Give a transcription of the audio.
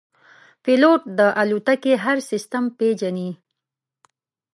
پیلوټ د الوتکې هر سیستم پېژني.